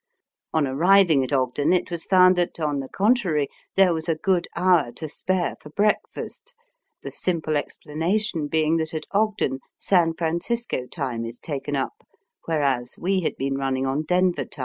On arriving at Ogden it was found that, on the contrary, there was a good hour to spare for breakfast, the simple explanation being that at Ogden San Francisco time is taken up, whereas we had been running on Denver time.